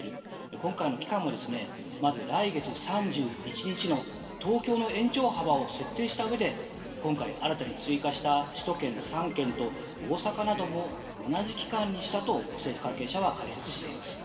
今回の期間も、まず来月３１日の東京の延長幅を設定したうえで今回、新たに追加した首都圏３県と大阪なども同じ期間にしたと政府関係者は解説しています。